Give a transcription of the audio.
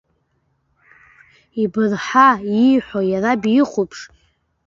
Ибырҳа ииҳәо, иара бихәаԥш.